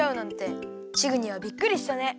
チグにはびっくりしたね。